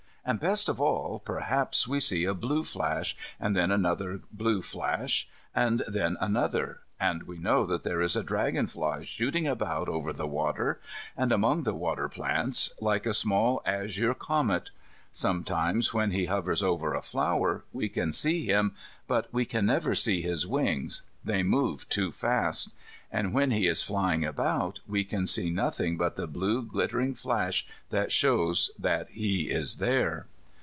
And, best of all, perhaps we see a blue flash, and then another blue flash, and then another, and we know that there is a dragon fly shooting about over the water, and among the water plants, like a small azure comet. Sometimes, when he hovers over a flower, we can see him, but we can never see his wings. They move too fast. And when he is flying about, we can see nothing but the blue glittering flash that shows that he is there.